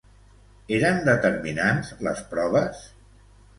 Eren determinants les proves?